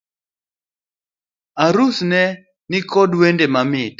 Arus ne nikod wende mamit